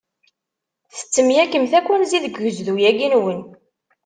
Tettemyakemt akk anzi deg ugezdu-agi-nwen.